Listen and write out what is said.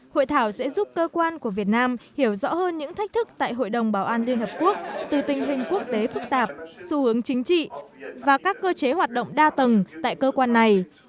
hội thảo sẽ giúp cơ quan của việt nam hiểu rõ hơn những thách thức tại hội đồng bảo an liên hợp quốc từ tình hình quốc tế phức tạp xu hướng chính trị và các cơ chế hoạt động đa tầng tại cơ quan này